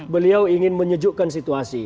beliau ingin menyejukkan situasi